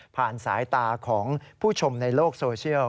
สายตาของผู้ชมในโลกโซเชียล